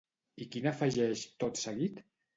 I quina afegeix tot seguit?